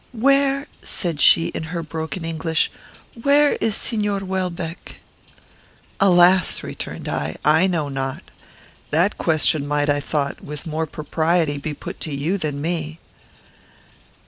"Where," said she, in her broken English, "where is Signor Welbeck?" "Alas!" returned I, "I know not. That question might, I thought, with more propriety be put to you than me."